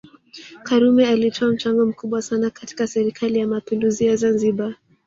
karume alitoa mchango mkubwa sana katika serikali ya mapinduzi ya Zanzibar